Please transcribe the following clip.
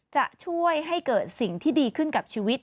จะช่วยให้เกิดสิ่งที่ดีขึ้นกับชีวิต